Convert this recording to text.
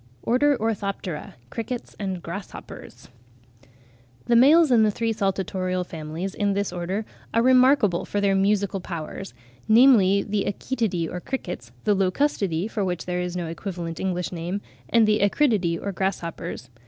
ORDER, ORTHOPTERA (CRICKETS AND GRASSHOPPERS). The males in the three saltatorial families in this Order are remarkable for their musical powers, namely the Achetidae or crickets, the Locustidae for which there is no equivalent English name, and the Acridiidae or grasshoppers.